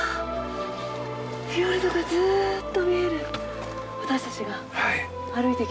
フィヨルドがずっと見える私たちが歩いてきた道。